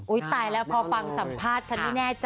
อุ้ยตายแล้วพอฟังสัมภาษณ์